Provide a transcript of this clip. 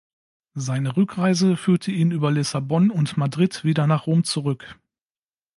Seine Rückreise führte ihn über Lissabon und Madrid wieder nach Rom zurück.